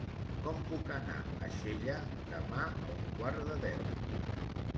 Com puc anar a Xella demà a un quart de deu?